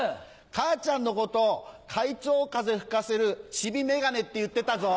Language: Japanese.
母ちゃんのこと会長風吹かせるチビメガネって言ってたぞ。